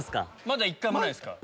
まだ１回もないですか？